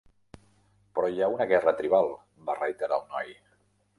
"Però hi ha una guerra tribal", va reiterar el noi.